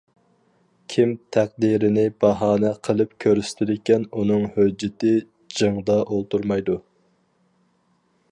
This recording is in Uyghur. كىم تەقدىرىنى باھانە قىلىپ كۆرسىتىدىكەن ئۇنىڭ ھۆججىتى جىڭدا ئولتۇرمايدۇ.